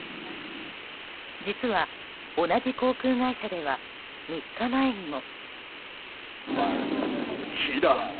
実は、同じ航空会社では３日前にも。